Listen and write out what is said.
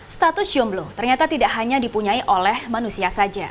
status jomblo ternyata tidak hanya dipunyai oleh manusia saja